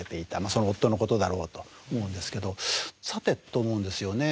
その夫のことだろうと思うんですけど「さて」と思うんですよね。